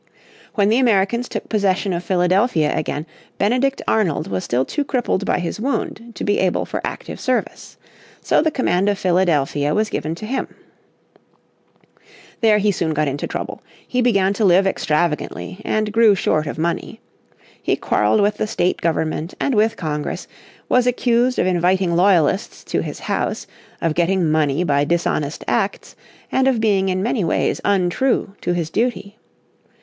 When the Americans took possession of Philadelphia again Benedict Arnold was still too crippled by his wound to be able for active service. So the command of Philadelphia was given to him. There he soon got into trouble. He began to live extravagantly, and grew short of money. He quarreled with the state government, and with Congress, was accused of inviting loyalists to his house, of getting money by dishonest acts, and of being in many ways untrue to his duty.